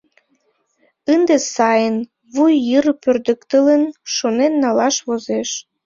Ынде сайын, вуй йыр пӧрдыктылын, шонен налаш возеш.